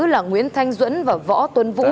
là nguyễn thanh duẩn và võ tuấn vũ